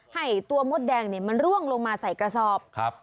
ให้ตัวมดแดงมันร่วงลงมาใส่กระสอบ